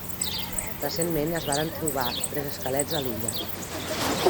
Recentment es varen trobar tres esquelets a l'illa.